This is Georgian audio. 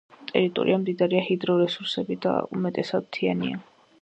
ტერიტორია მდიდარია ჰიდრორესურსებით და უმეტესად მთიანია.